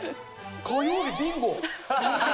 火曜日ビンゴ。